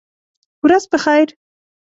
ورځ په خیر !